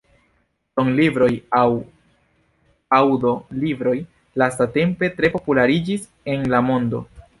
Sonlibroj aŭ aŭdo-libroj lastatempe tre populariĝis en la mondo.